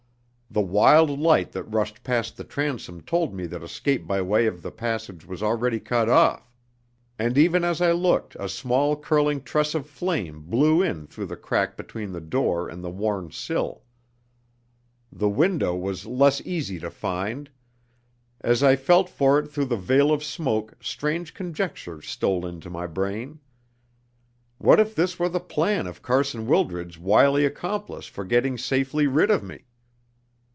The wild light that rushed past the transom told me that escape by way of the passage was already cut off, and even as I looked a small, curling tress of flame blew in through the crack between the door and the worn sill. The window was less easy to find. As I felt for it through the veil of smoke strange conjectures stole into my brain. What if this were the plan of Carson Wildred's wily accomplice for getting safely rid of me?